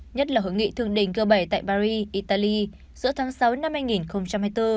nhất là hội nghị thượng đỉnh g bảy tại paris italy giữa tháng sáu năm hai nghìn hai mươi bốn